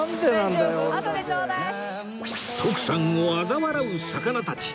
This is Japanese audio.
徳さんをあざ笑う魚たち